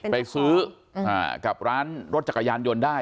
ไปซื้อกับร้านรถจักรยานยนต์ได้